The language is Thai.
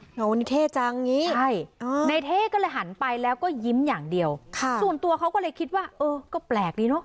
เราวันนี้เท่จังงี้ใช่ในเท่ก็เลยหันไปแล้วก็ยิ้มอย่างเดียวส่วนตัวเขาก็เลยคิดว่าเออก็แปลกดีเนอะ